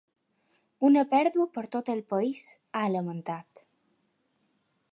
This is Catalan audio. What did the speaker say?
Una pèrdua per a tot el país, ha lamentat.